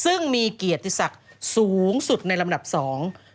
ซึ่งมีเกียรติศักดิ์สูงสุดในลำดับสอง